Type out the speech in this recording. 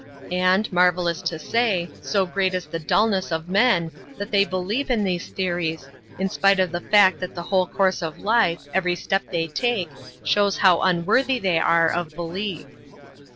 And, marvelous to say, so great is the dullness of men, that they believe in these theories, in spite of the fact that the whole course of life, every step they take, shows how unworthy they are of belief.